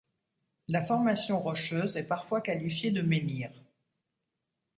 La formation rocheuse est parfois qualifiée de menhir.